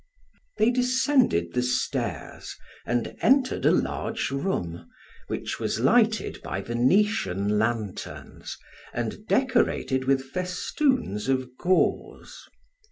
They descended the stairs and entered a large room, which was lighted by Venetian lanterns and decorated with festoons of gauze.